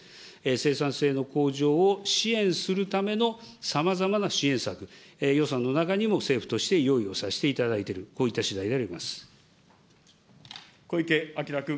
生産性の向上を支援するためのさまざまな支援策、予算の中にも政府として用意をさせていただいている、小池晃君。